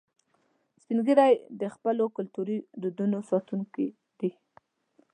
سپین ږیری د خپلو کلتوري دودونو ساتونکي دي